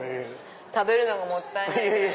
食べるのがもったいないです。